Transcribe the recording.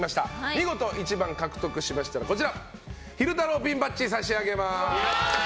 見事１番獲得しましたら昼太郎ピンバッジを差し上げます。